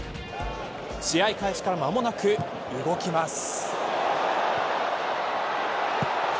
試合開始から間もなく動きます。